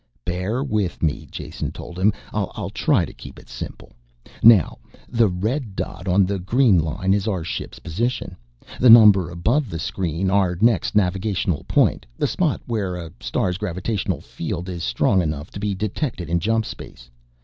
"Bear with me," Jason told him. "I'll try and keep it simple. Now the red dot on the green line is our ship's position. The number above the screen our next navigational point, the spot where a star's gravitational field it strong enough to be detected in jump space.